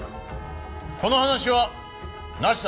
この話はなしだ。